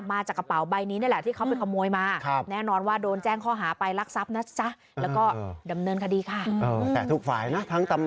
มาจากกระเป๋าใบนี้นะแหละที่เขาไปขโมยมา